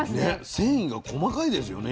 繊維が細かいですよね肉の。